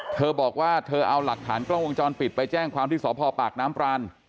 เธอบอกว่าเธอเอาหลักฐานกล้องวงจรปิดไปแจ้งความที่สพปากน้ำปราน